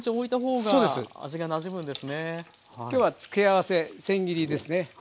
今日は付け合わせ千切りですね。